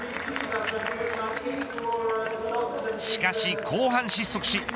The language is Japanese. しかし後半失速し